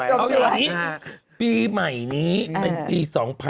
เอาแบบนี้ปีใหม่นี้เป็นปี๒๕๐๐